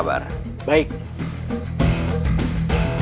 mamang mau dibeliin apa